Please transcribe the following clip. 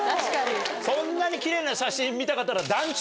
そんなにキレイな写真見たかったら。